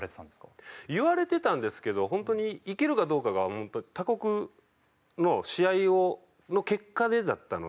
言われてたんですけどホントにいけるかどうかが他国の試合の結果でだったので。